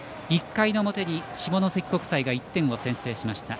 １回の表に下関国際が１点を先制しました。